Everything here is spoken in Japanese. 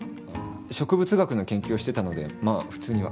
植物学の研究をしてたのでまあ普通には。